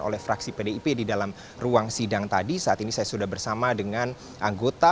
oleh fraksi pdip di dalam ruang sidang tadi saat ini saya sudah bersama dengan anggota